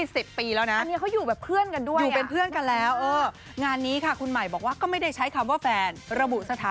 เสียงไม่ถึงเออประมาณนี้แหละ